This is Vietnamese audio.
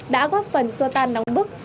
đã góp phần xoa tan nóng bức